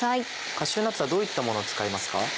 カシューナッツはどういったものを使いますか？